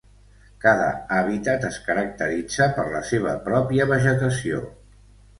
Cada hàbitat es caracteritza per la seva pròpia vegetació.